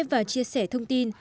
và chia sẻ thông tin